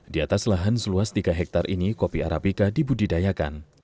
di atas lahan seluas tiga hektare ini kopi arabica dibudidayakan